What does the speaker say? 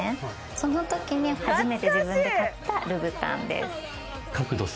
その時に初めて自分で買ったルブタンです。